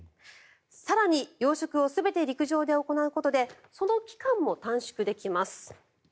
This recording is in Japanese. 更に、養殖を全て陸上で行うことでその期間も短縮できます。